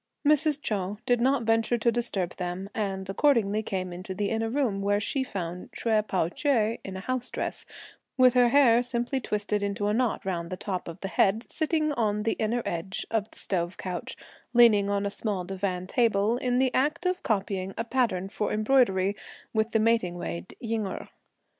Mrs. Chou did not venture to disturb them, and accordingly came into the inner room, where she found Hsüeh Pao ch'ai in a house dress, with her hair simply twisted into a knot round the top of the head, sitting on the inner edge of the stove couch, leaning on a small divan table, in the act of copying a pattern for embroidery, with the waiting maid Ying Erh.